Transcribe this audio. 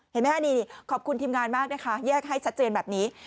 เห็นไหมฮะนี่ขอบคุณทีมงานมากนะคะแยกให้ชัดเจนแบบนี้